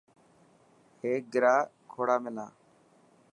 هيڪ گرا کوڙا منا.